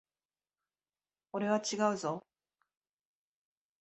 俺は違うぞ。